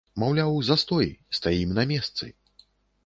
Маўляў, застой, стаім на месцы.